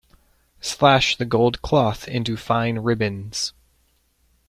Slash the gold cloth into fine ribbons.